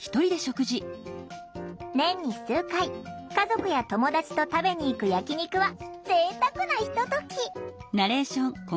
年に数回家族や友達と食べに行く焼き肉はぜいたくなひととき。